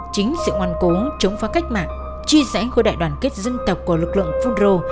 chính sự ngoan cố chống phá cách mạng chia rẽ khối đại đoàn kết dân tộc của lực lượng phun rô